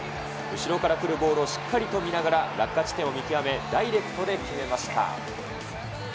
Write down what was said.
後ろから来るボールをしっかりと見ながら、落下地点を見極め、ダイレクトで決めました。